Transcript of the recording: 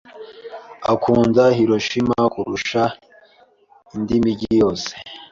Akunda Hiroshima kurusha indi mijyi yose.